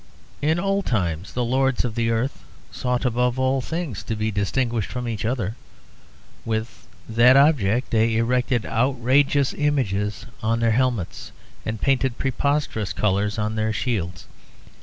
In old times the lords of the earth sought above all things to be distinguished from each other; with that object they erected outrageous images on their helmets and painted preposterous colours on their shields.